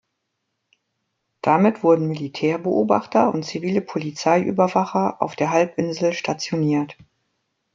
Damit wurden Militärbeobachter und zivile Polizei-Überwacher auf der Halbinsel stationiert.